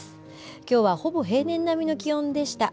きょうはほぼ平年並みの気温でした。